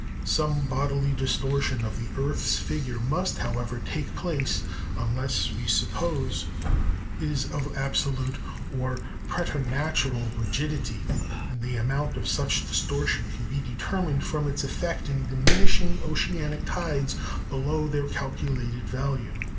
Some bodily distortion of the earth's figure must, however, take place, unless we suppose it of absolute or "preternatural" rigidity, and the amount of such distortion can be determined from its effect in diminishing oceanic tides below their calculated value.